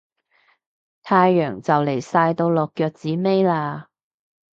太陽就嚟晒到落腳子尾喇